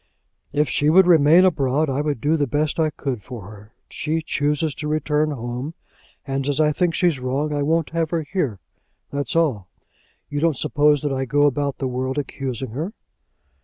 "If she would remain abroad, I would do the best I could for her. She chooses to return home; and as I think she's wrong, I won't have her here; that's all. You don't suppose that I go about the world accusing her?"